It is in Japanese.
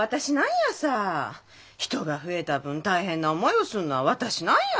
人が増えた分大変な思いをすんのは私なんや。